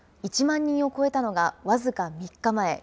１万人を超えたのが僅か３日前。